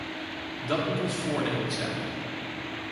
Dat moet ons voornemen zijn.